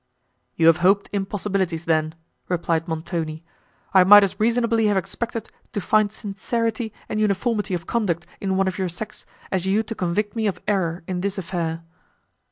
"You have hoped impossibilities then," replied Montoni; "I might as reasonably have expected to find sincerity and uniformity of conduct in one of your sex, as you to convict me of error in this affair."